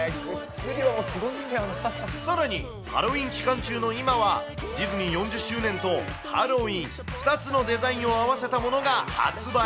さらに、ハロウィーン期間中の今は、ディズニー４０周年とハロウィーン２つのデザインを合わせたものが発売。